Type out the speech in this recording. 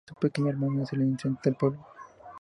Y su pequeño hermano es el inocente del pueblo.